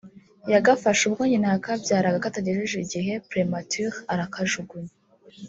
yagafashe ubwo nyina yakabyaraga katagejeje igihe (prematuré) arakajugunya